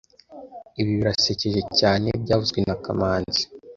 Ibi birasekeje cyane byavuzwe na kamanzi